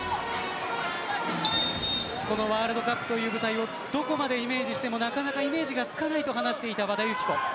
このワールドカップという舞台をどこまでイメージしてもなかなかイメージつかないと話していた和田由紀子。